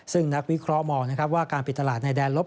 ซึ่งนักวิเคราะห์มองนะครับว่าการปิดตลาดในแดนลบ